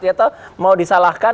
ya tau mau disalahkan